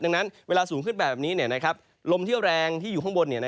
ดังนั้นเวลาสูงขึ้นแบบนี้ลมที่แรงที่อยู่ข้างบน